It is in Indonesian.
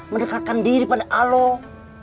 mendekatkan diri pada allah